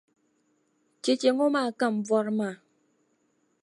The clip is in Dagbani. Cheche ŋɔ maa ka n-bɔri maa.